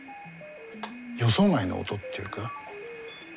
予想外の音っていうか。